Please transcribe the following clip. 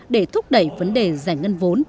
để thúc đẩy vấn đề giải ngân vốn